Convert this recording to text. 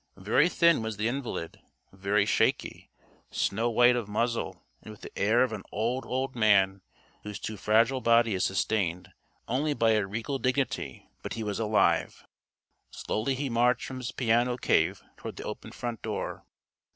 Very thin was the invalid, very shaky, snow white of muzzle and with the air of an old, old man whose too fragile body is sustained only by a regal dignity. But he was alive. Slowly he marched from his piano cave toward the open front door.